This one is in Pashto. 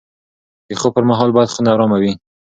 د خوب پر مهال باید خونه ارامه وي.